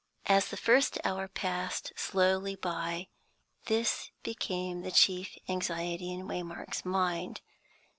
As the first hour passed slowly by, this became the chief anxiety in Waymark's mind.